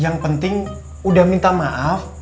yang penting udah minta maaf